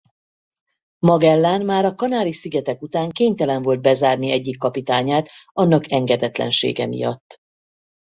Magellán már a Kanári-szigetek után kénytelen volt bezárni egyik kapitányát annak engedetlensége miatt.